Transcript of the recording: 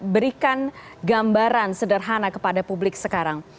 berikan gambaran sederhana kepada publik sekarang